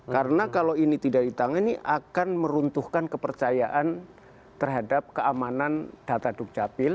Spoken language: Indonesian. karena kalau ini tidak ditangani akan meruntuhkan kepercayaan terhadap keamanan data dukcapil